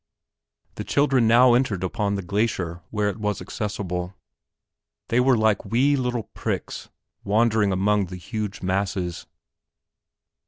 The children now entered upon the glacier where it was accessible. They were like wee little pricks wandering among the huge masses.